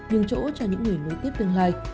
nhường chỗ cho những người nối tiếp tương lai